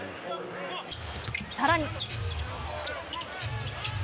さらに。